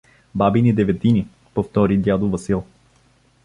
— Бабини деветини — повтори дядо Васил.